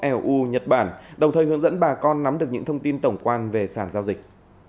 eu nhật bản đồng thời hướng dẫn bà con nắm được những thông tin tổng quan về sản giao dịch